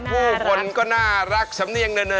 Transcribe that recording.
ผู้คนก็น่ารักสำเนียงเนอ